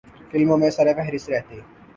فلموں میں سرِ فہرست رہی۔